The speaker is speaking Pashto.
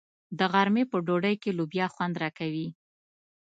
د غرمې په ډوډۍ کې لوبیا خوند راکوي.